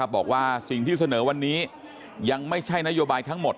บอกว่าสิ่งที่เสนอวันนี้ยังไม่ใช่นโยบายทั้งหมด